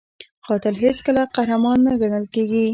قاتل هیڅکله قهرمان نه ګڼل کېږي